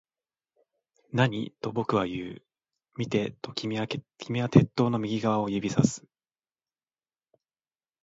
何？と僕は言う。見て、と君は鉄塔の右側を指差す